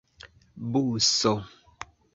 buso